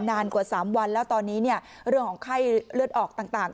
นานกว่า๓วันแล้วตอนนี้เรื่องของไข้เลือดออกต่าง